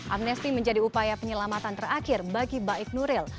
amnesti menjadi upaya penyelamatan terakhir bagi baik nuril